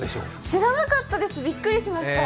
知らなかったです、びっくりしました。